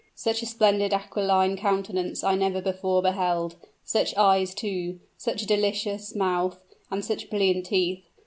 "Such a splendid aquiline countenance I never before beheld! Such eyes, too, such a delicious mouth, and such brilliant teeth!